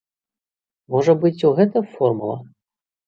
Можа быць, у гэтым формула?